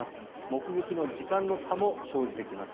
目撃の時間の差も生じてきます。